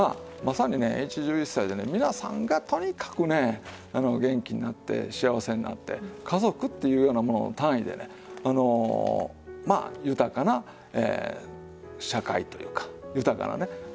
まさにね一汁一菜でね皆さんがとにかくね元気になって幸せになって家族っていうようなものの単位で豊かな社会というか豊かなね